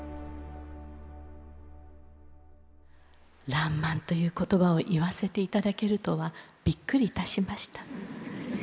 「らんまん」という言葉を言わせていただけるとはびっくりいたしました。